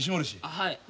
はい。